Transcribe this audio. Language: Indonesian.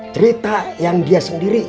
cerita yang dia sendiri